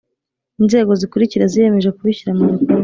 Inzego zikurikira ziyimeje kubishyira mu bikorwa